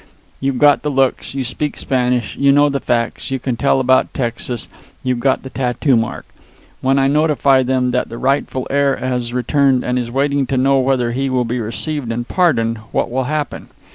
You've got the looks, you speak the Spanish, you know the facts, you can tell about Texas, you've got the tattoo mark. When I notify them that the rightful heir has returned and is waiting to know whether he will be received and pardoned, what will happen?